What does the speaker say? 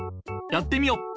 やってみよ。